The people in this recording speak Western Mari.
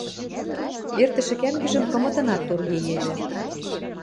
Эртӹшӹ кӓнгӹжӹм кымытынат торгеевӹ.